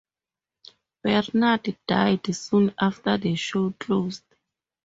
Bernard died soon after the show closed.